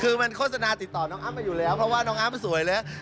คือมันโฆษณาติดต่อน้องอ้ำมาอยู่แล้วเพราะว่าน้องอ้ำมันสวยแล้ว